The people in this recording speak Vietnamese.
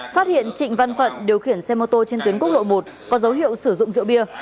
phát hiện trịnh văn phận điều khiển xe mô tô trên tuyến quốc lộ một có dấu hiệu sử dụng rượu bia